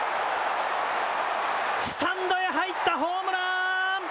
スタンドへ入った、ホームラン。